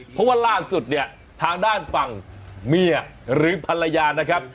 เพราะว่าล่าสุดเนี่ยทางด้านฝั่งเมียหรือภรรยานะครับ